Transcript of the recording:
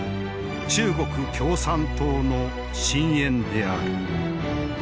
中国共産党の深えんである。